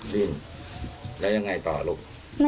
นิ่งแล้วยังไงต่อลูก